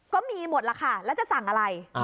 ก็มีหมดล่ะค่ะแล้วจะสั่งอะไร